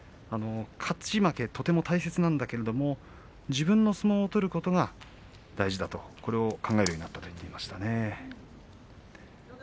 勝ち負けがとても大切なんだけれども、自分の相撲を取ることが大事だとそれを考えるようになったと言っていました。